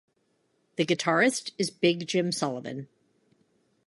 The guitarist is Big Jim Sullivan.